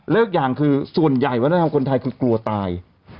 เลิกอย่างคือส่วนใหญ่เวลาทำคนไทยคือกลัวตาย